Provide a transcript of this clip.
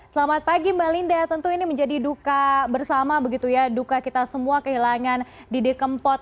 selamat pagi mbak linda tentu ini menjadi duka bersama begitu ya duka kita semua kehilangan didi kempot